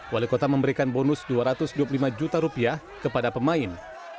wali kota memberikan bonus dua ratus dua puluh lima juta rupiah kepada pemain